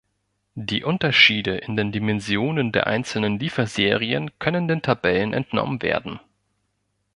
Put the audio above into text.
Die Unterschiede in den Dimensionen der einzelnen Lieferserien können den Tabellen entnommen werden.